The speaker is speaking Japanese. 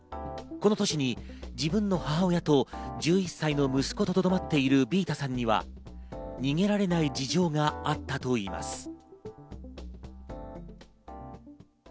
この年に自分の母親と１１歳の息子ととどまっているヴィータさんには、逃げられない事情があったといいます。